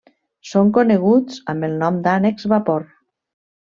Són coneguts amb el nom d'ànecs vapor.